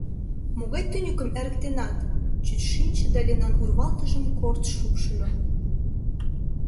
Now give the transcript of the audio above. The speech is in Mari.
Могай тӱньыкым эрыктенат?! — чӱч шинче да Ленан урвалтыжым корт шупшыльо.